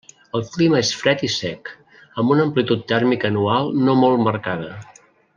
El clima és fred i sec, amb una amplitud tèrmica anual no molt marcada.